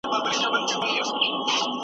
او له یوه ښاخ څخه بل ته غورځو